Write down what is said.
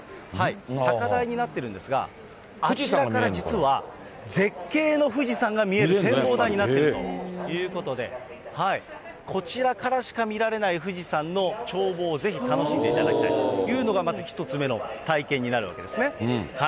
高台になってるんですが、あちらから実は、絶景の富士山が見える展望台になっているということで、こちらからしか見られない富士山の眺望をぜひ楽しんでいただきたいというのが、まず１つ目の体験になるわけですね。